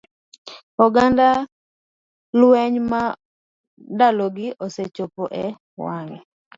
oganda lweny ma ndalogi osechopo e wang'e.